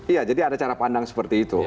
iya jadi ada cara pandang seperti itu